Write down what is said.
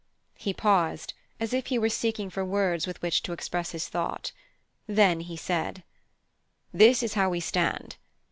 He paused, as if he were seeking for words with which to express his thought. Then he said: "This is how we stand.